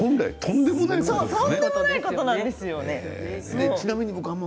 とんでもないことなんですよね。